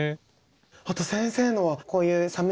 あと先生のはこういう寒い季節